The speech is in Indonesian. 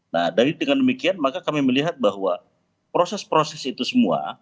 nah dari dengan demikian maka kami melihat bahwa proses proses itu semua